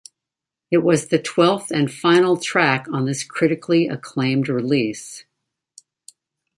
It was the twelfth and final track on this critically acclaimed release.